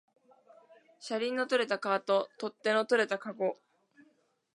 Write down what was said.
車輪の取れたカート、取っ手の取れたかご